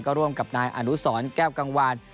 ร่วมกับนายอนุสรแก้วกังวาน